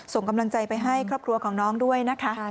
ส่งกำลังใจไปให้ครอบครัวของน้องด้วยนะคะ